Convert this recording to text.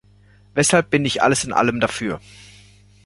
Weshalb bin ich alles in allem dafür?